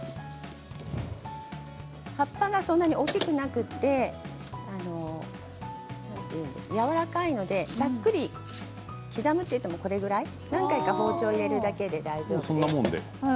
葉っぱがそんなに大きくなくてやわらかいのでざっくり刻むといってもこれぐらい何回か包丁を入れるだけで大丈夫です。